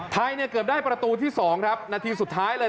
เกือบได้ประตูที่๒ครับนาทีสุดท้ายเลย